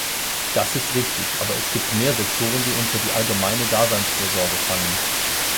Das ist richtig, aber es gibt mehr Sektoren, die unter die allgemeine Daseinsvorsorge fallen.